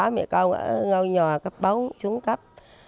sáu mẹ con ngôi nhò cấp bóng chúng cấp